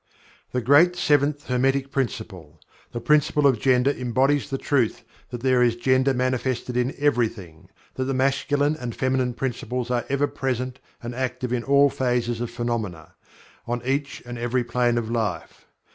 The great Seventh Hermetic Principle the Principle of Gender embodies the truth that there is Gender manifested in everything that the Masculine and Feminine principles are ever present and active in all phases of phenomena, on each and every plane of life.